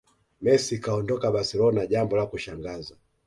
Messi kuondoka barcelona jambo la kushangaza